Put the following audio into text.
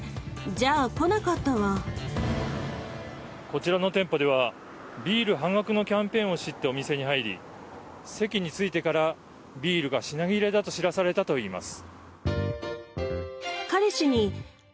こちらの店舗ではビール半額のキャンペーンを知ってお店に入り席に着いてからビールが品切れだと知らされたといいます。